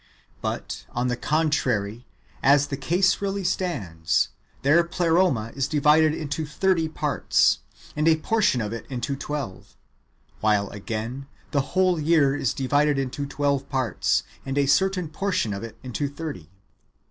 But, on the contrary, as the case really stands, their Pleroma is divided into thirty parts, and a portion of it into twelve ; v^hile again the whole year is divided into twelve parts, and a certain portion of it into thirty.